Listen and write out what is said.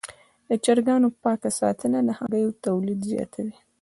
د چرګانو پاک ساتنه د هګیو تولید زیاتوي.